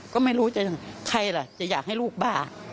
ก็ไม่รู้จะยังไงใครล่ะจะอยากให้ลูกบ้า